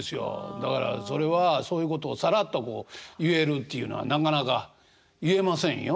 だからそれはそういうことをさらっと言えるっていうのはなかなか言えませんよ。